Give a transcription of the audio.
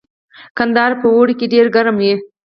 کندهار په اوړي کې ډیر ګرم وي